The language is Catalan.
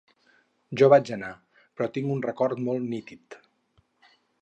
Jo vaig anar, però tinc un record molt nítid.